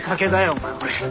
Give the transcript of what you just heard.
お前これ。